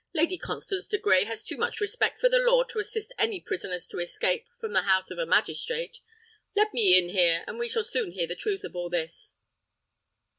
"Lady Constance de Grey has too much respect for the law to assist any prisoners to escape from the house of a magistrate. Let me in here, and we shall soon hear the truth of all this."